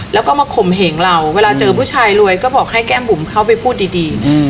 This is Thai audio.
แล้วก็มาข่มเหงเราเวลาเจอผู้ชายรวยก็บอกให้แก้มบุ๋มเข้าไปพูดดี